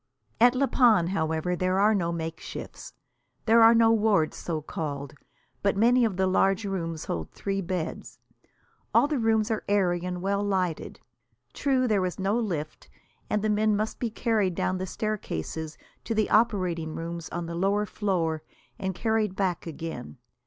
At La Panne, however, there are no makeshifts. There are no wards, so called. But many of the large rooms hold three beds. All the rooms are airy and well lighted. True, there is no lift, and the men must be carried down the staircases to the operating rooms on the lower floor, and carried back again.